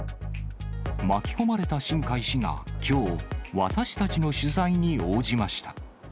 巻き込まれた新開氏がきょう、私たちの取材に応じました。